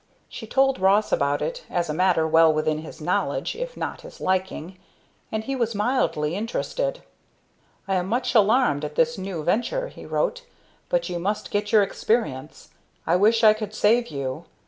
She told Ross about it, as a matter well within his knowledge, if not his liking, and he was mildly interested. "I am much alarmed at this new venture," he wrote, "but you must get your experience. I wish I could save you.